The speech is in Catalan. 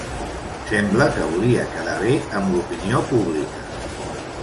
Sembla que volia quedar bé amb l’opinió pública.